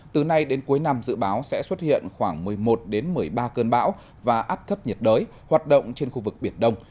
từ nay đến cuối năm dự báo sẽ xuất hiện khoảng một mươi một một mươi ba cơn bão và áp thấp nhiệt đới hoạt động trên khu vực biển đông